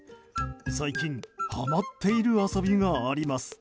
最近、はまっている遊びがあります。